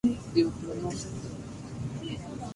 Manon y Des Grieux se ven desesperados y en la calle.